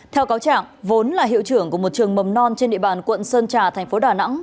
theo cáo trạng vốn là hiệu trưởng của một trường mầm non trên địa bàn quận sơn trà thành phố đà nẵng